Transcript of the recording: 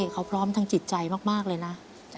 เขาพร้อมทางจิตใจมากเลยนะ